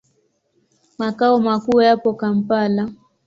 Makao makuu yapo Kampala.